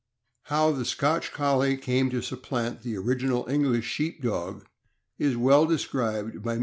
How the Scotch Collie came to supplant the original English Sheep Dog is well described by Mr. F.